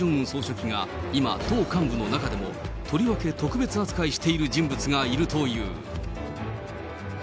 総書記が今、党幹部の中でもとりわけ特別扱いしている人物がいるという。